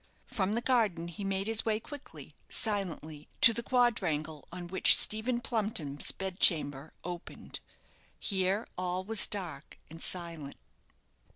From the garden he made his way quickly, silently, to the quadrangle on which Stephen Plumpton's bed chamber opened. Here all was dark and silent.